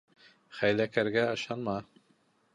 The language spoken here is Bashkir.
Хәйләкәргә ышанма: